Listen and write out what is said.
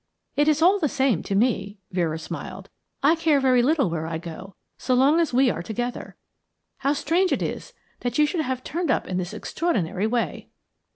"It is all the same to me," Vera smiled. "I care very little where I go so long as we are together. How strange it is that you should have turned up in this extraordinary way!"